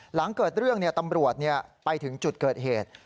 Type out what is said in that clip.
หลังเกิดเรื่องตำรวจไปถึงจุดเกิดเหตุ